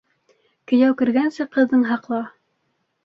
Кейәү кергәнсе ҡыҙың һаҡла